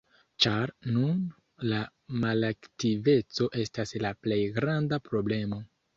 Ĉar nun la malaktiveco estas la plej granda problemo.